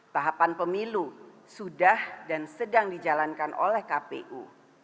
tahapan pemilu sudah dan sedang dijalankan oleh kpu